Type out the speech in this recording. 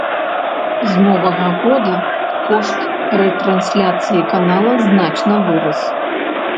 З новага года кошт рэтрансляцыі канала значна вырас.